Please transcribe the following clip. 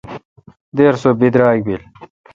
دیر سو بیراگ بل۔